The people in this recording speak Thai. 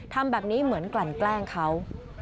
ทำแบบนี้เหมือนกลั่นแกล้งเขา